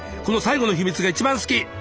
この最後の秘密が一番好き！